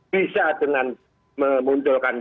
bisa dengan memunculkan